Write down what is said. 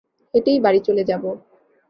হেঁটেই বাড়ি চলে যাবো।